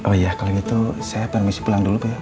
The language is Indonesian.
oh iya kalau gitu saya permisi pulang dulu pak ya